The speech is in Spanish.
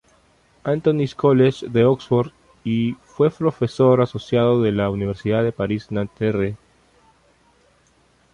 Anthony´s College de Oxford y fue profesor asociado de la Universidad de París-Nanterre.